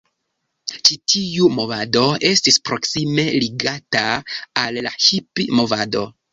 Ĉi tiu movado estis proksime ligata al la Hipi-movado.